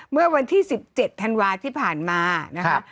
เมื่อวันที่๑๗ธันวาที่ผ่านมานะคะ